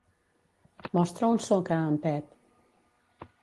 Mostra on soc a en Pep.